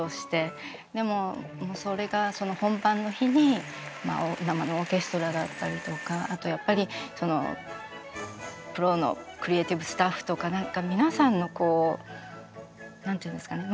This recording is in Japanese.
でもそれが本番の日に生のオーケストラだったりとかあとやっぱりプロのクリエーティブスタッフとか皆さんの何て言うんですかね